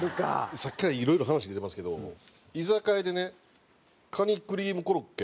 さっきからいろいろ話出てますけど居酒屋でねカニクリームコロッケ頼んだ時。